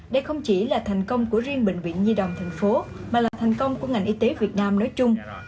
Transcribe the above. đây không chỉ là thành công của riêng bệnh viện nhi đồng thành phố mà là thành công của ngành y tế việt nam nói chung